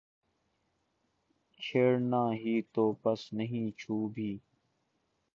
چھیڑنا ہی تو بس نہیں چھو بھی